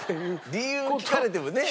理由を聞かれてもね。